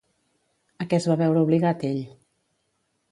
A què es va veure obligat ell?